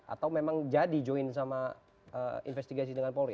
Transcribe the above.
atau memang jadi join sama investigasi dengan polri